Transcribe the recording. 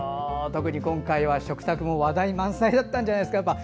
特に今回は食卓も話題満載だったんじゃないですか。